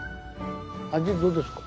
味どうですか？